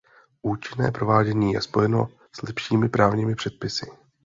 Účinné provádění je spojeno s lepšími právními předpisy.